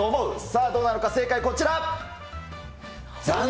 さあどうなのか、正解こちら。